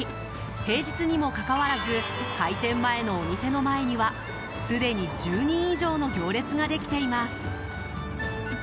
平日にもかかわらず開店前のお店の前にはすでに１０人以上の行列ができています。